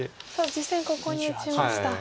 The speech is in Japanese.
実戦ここに打ちました。